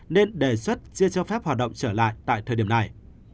nên đề xuất chưa cho phép hoạt động trở lại tại thời điểm này